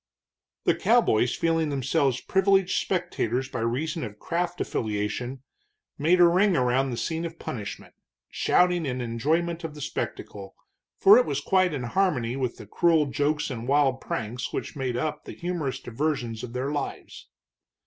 The cowboys, feeling themselves privileged spectators by reason of craft affiliation, made a ring around the scene of punishment, shouting in enjoyment of the spectacle, for it was quite in harmony with the cruel jokes and wild pranks which made up the humorous diversions of their lives.